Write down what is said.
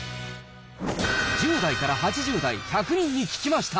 １０代から８０代１００人に聞きました。